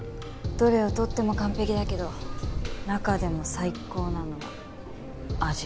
どれを取っても完璧だけど中でも最高なのは味。